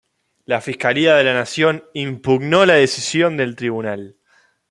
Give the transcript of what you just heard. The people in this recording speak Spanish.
La Fiscalía de la Nación impugnó la decisión del tribunal.